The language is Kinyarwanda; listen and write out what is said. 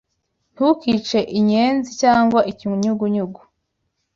Ntukice inyenzi cyangwa ikinyugunyugu